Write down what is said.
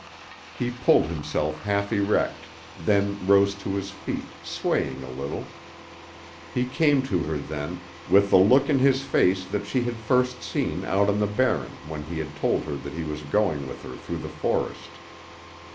He pulled himself half erect, then rose to his feet, swaying a little. He came to her then, with the look in his face she had first seen out on the Barren when he had told her that he was going with her through the forest.